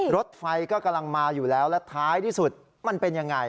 รถไฟก็กำลังมาอยู่แล้วและท้ายที่สุดมันเป็นยังไง